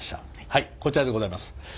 はいこちらでございます。